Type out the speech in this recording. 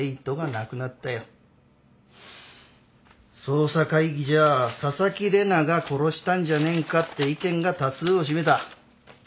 捜査会議じゃ紗崎玲奈が殺したんじゃねえんかって意見が多数を占めた。